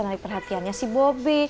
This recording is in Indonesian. nalik perhatiannya si bobby